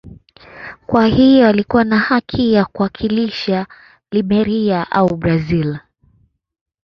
Kwa hiyo alikuwa na haki ya kuwakilisha Liberia au Brazil.